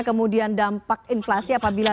kemudian dampak inflasi apabila